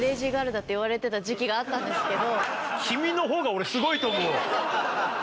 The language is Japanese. だっていわれてた時期があったんですけど。